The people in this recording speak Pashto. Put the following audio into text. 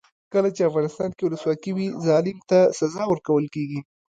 کله چې افغانستان کې ولسواکي وي ظالم ته سزا ورکول کیږي.